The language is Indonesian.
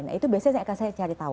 nah itu biasanya saya akan cari tahu